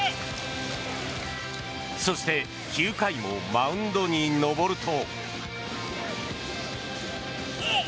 そして９回もマウンドに登ると。